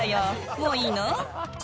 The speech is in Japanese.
もういいの？